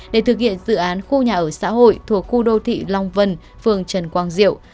để thực hiện dự án khu nhà ở xã hội thuộc khu đô thị long vân phường trần quang diệu